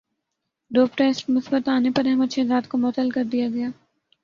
dope test مثبت انے پر احمد شہزاد کومعطل کردیاگیا